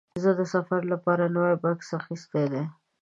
زه د سفر لپاره نوی بکس اخیستی دی.